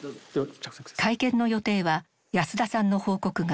会見の予定は安田さんの報告が３０分。